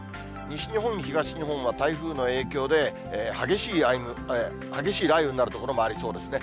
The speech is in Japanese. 西日本、東日本は台風の影響で、激しい雷雨になる所もありそうですね。